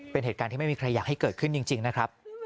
เป็นเหตุการณ์ที่ไม่มีใครอยากให้เกิดขึ้นจริงนะครับ